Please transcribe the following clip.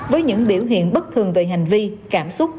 với những biểu hiện bất thường về hành vi cảm xúc